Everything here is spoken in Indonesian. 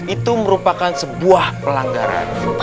itu merupakan sebuah pelanggaran